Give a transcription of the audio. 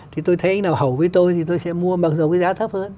thì tôi sẽ mua mặc dù cái giá thấp hơn